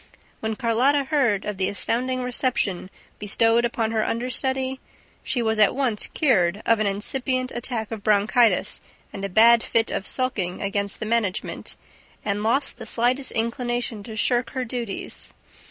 When Carlotta heard of the astounding reception bestowed upon her understudy, she was at once cured of an incipient attack of bronchitis and a bad fit of sulking against the management and lost the slightest inclination to shirk her duties.